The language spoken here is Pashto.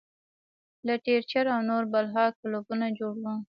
لټرېچر او نور بلها کلبونه جوړ وي -